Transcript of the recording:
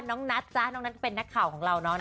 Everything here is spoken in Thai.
น้องนัทจ๊ะน้องนัทเป็นหน้าข่าวของเราน้อง